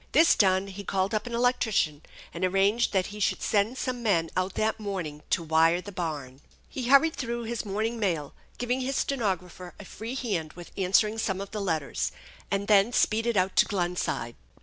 This done, he called up an electrician, and arranged that he should send some men out that morning to wire the barn. He hurried through his morning mail, giving his ste nographer a free hand with answering some of the letters, and then speeded out to Glenside.